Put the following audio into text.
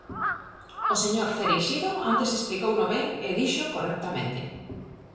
O señor Cereixido antes explicouno ben e díxoo correctamente.